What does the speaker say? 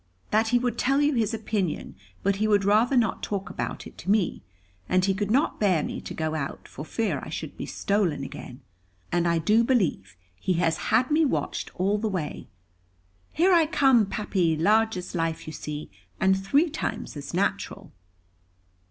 "That he would tell you his opinion, but he would rather not talk about it to me. And he could not bear me to go out, for fear I should be stolen again. And I do believe he has had me watched all the way. Here I come, Pappy; large as life you see, and three times as natural."